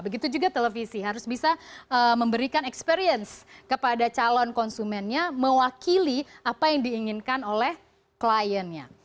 begitu juga televisi harus bisa memberikan experience kepada calon konsumennya mewakili apa yang diinginkan oleh kliennya